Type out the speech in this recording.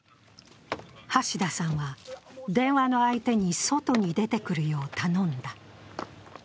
橋田さんは、電話の相手に外に出てくるよう頼んだ。